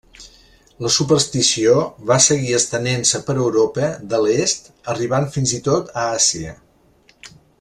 La superstició va seguir estenent-se per Europa de l'Est, arribant fins i tot a Àsia.